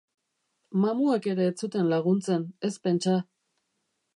Mamuek ere ez zuten laguntzen, ez pentsa.